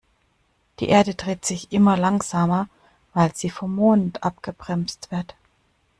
Die Erde dreht sich immer langsamer, weil sie vom Mond abgebremst wird.